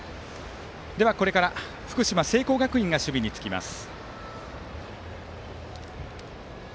これから福島・聖光学院高校が守備につきます。